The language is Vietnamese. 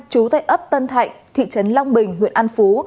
chú tại ấp tân thạnh thị trấn long bình huyện an phú